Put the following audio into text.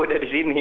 udah di sana